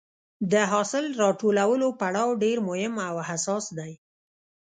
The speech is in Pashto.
د حاصل راټولولو پړاو ډېر مهم او حساس دی.